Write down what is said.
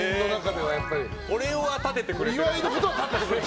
俺のことは立ててくれる。